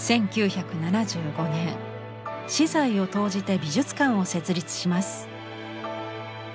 １９７５年私財を投じて美術館を設立します。